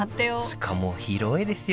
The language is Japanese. しかも広いですよね！